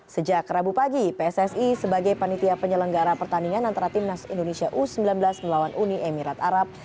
sejak rabu pagi pssi sebagai panitia penyelenggara pertandingan antara timnas indonesia u sembilan belas melawan uni emirat arab